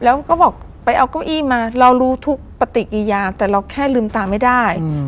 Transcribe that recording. แล้วก็บอกไปเอาเก้าอี้มาเรารู้ทุกปฏิกิยาแต่เราแค่ลืมตาไม่ได้